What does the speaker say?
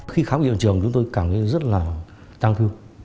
khi khám nghiệm hiện trường chúng tôi cảm thấy rất là tăng thư